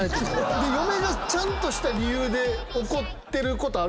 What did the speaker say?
嫁がちゃんとした理由で怒ってることあるんです。